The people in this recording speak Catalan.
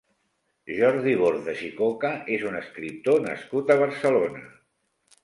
Jordi Bordas i Coca és un escriptor nascut a Barcelona.